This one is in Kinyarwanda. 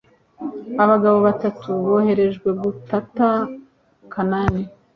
abagabo batatu boherejwe gutata kanani